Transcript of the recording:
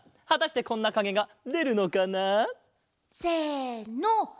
はたしてこんなかげがでるのかな？せの！